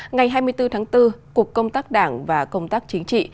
ngày hai mươi bốn tháng bốn cục công tác đảng và công tác chính trị